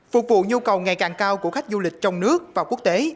phục vụ nhu cầu ngày càng cao của khách du lịch trong nước và quốc tế